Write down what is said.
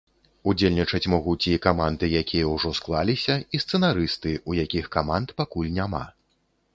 Удзельнічаць могуць і каманды, якія ўжо склаліся, і сцэнарысты, у якіх каманд пакуль няма.